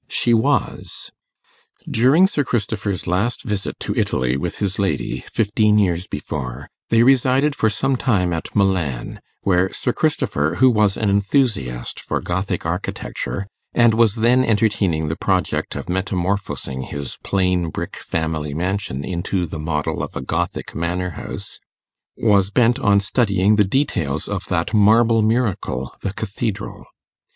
She was. During Sir Christopher's last visit to Italy with his lady, fifteen years before, they resided for some time at Milan, where Sir Christopher, who was an enthusiast for Gothic architecture, and was then entertaining the project of metamorphosing his plain brick family mansion into the model of a Gothic manor house, was bent on studying the details of that marble miracle, the Cathedral.